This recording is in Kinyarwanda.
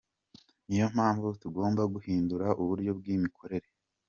Niyo mpamvu tugomba guhindura uburyo bw’imikorere.”